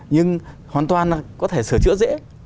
nhưng hoàn toàn là có thể sửa chữa dễ